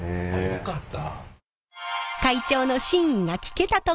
よかった